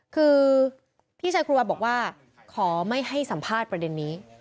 คือพี่ชายครัวบอกว่าขอไม่ให้สัมภาษณ์ประเด็นนี้